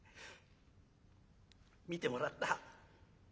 診てもらった。